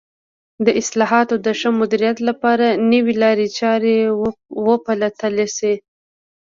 د حاصلاتو د ښه مدیریت لپاره نوې لارې چارې وپلټل شي.